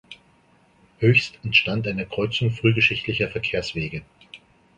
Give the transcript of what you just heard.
Höchst entstand an der Kreuzung frühgeschichtlicher Verkehrswege.